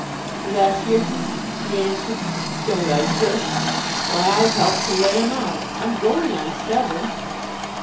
"Bless yer," she answered, "don't I just! Why, I've helped to lay 'em out. I'm going on seven."